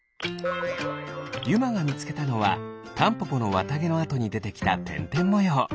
ゆまがみつけたのはタンポポのわたげのあとにでてきたてんてんもよう。